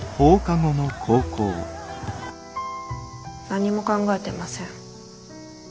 何も考えてません。